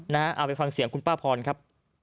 เอาไปฟังเสียงคุณป้าพรครับ